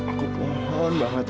aku mohon banget ya